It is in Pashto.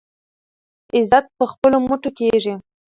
عزت په خپلو مټو کیږي.